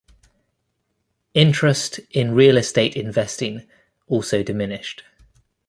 Interest in real estate investing also diminished.